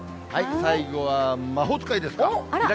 最後は魔法使いですか。